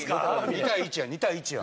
２対１や２対１や。